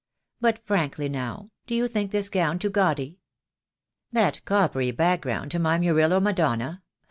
But frankly now, do you think this gown too gaudy?" "That coppery background to my Murillo Madonna.